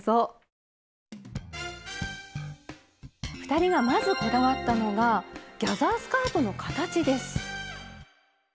２人がまずこだわったのがギャザースカートの形です。